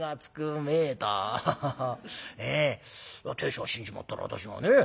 亭主が死んじまったら私がね